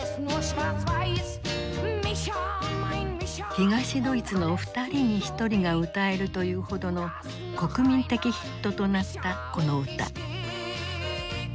東ドイツの２人に１人が歌えるというほどの国民的ヒットとなったこの歌。